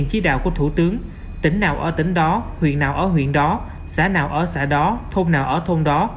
chỉ đạo của thủ tướng tỉnh nào ở tỉnh đó huyện nào ở huyện đó xã nào ở xã đó thôn nào ở thôn đó